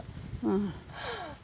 うん。